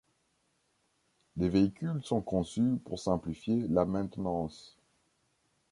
Les véhicules sont conçus pour simplifier la maintenance.